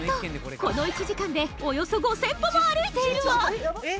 この１時間でおよそ５０００歩も歩いているわ！